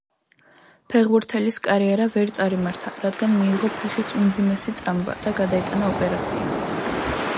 ფეხბურთელის კარიერა ვერ წარიმართა, რადგან მიიღო ფეხის უმძიმესი ტრავმა და გადაიტანა ოპერაცია.